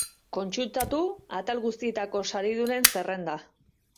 Kontsultatu atal guztietako saridunen zerrenda.